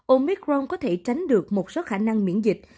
omicron có thể tránh được một số khả năng miễn dịch